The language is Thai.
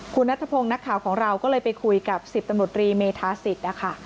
คุณนัทพงศ์นักข่าวของเราก็เลยไปคุยกับ๑๐ตำรวจรีเมธาศิษย์นะคะ